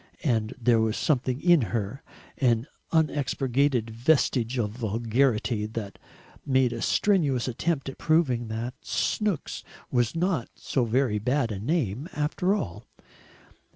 And there was something in her, an unexpurgated vestige of vulgarity, that made a strenuous attempt at proving that Snooks was not so very bad a name after all.